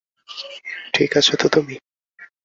ঠিক আছো তো তুমি?